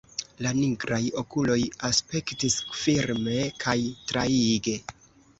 La nigraj okuloj aspektis firme kaj traige.